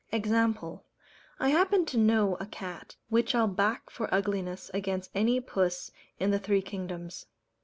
Example I happen to know a cat which I'll back for ugliness, against any puss in the three kingdoms.